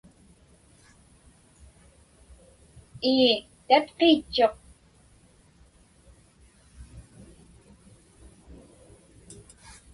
Ii, tatqiitchuq.